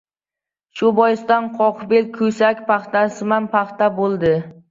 Shu boisdan qoqbel ko‘sak paxtamisan-paxta bo‘ladi!